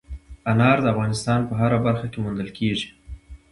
انار د افغانستان په هره برخه کې موندل کېږي.